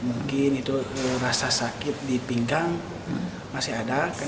mungkin itu rasa sakit di pinggang masih ada